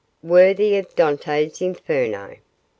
'Worthy of Dante's "Inferno".